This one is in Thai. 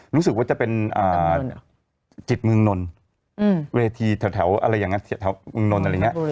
รู้สึกว่าจะเป็นจิตเมืองนนเวทีแถวอะไรอย่างนั้นแถวเมืองนนท์อะไรอย่างนี้